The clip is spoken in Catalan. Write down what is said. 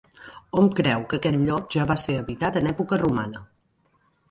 Hom creu que aquest lloc ja va ser habitat en època romana.